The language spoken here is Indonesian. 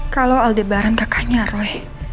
kalau aldebaran kakaknya roy